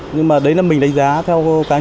nhưng mà đấy là mình đánh giá theo cá nhân